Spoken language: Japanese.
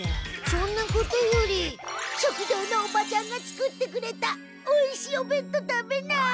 そんなことより食堂のおばちゃんが作ってくれたおいしいお弁当食べない？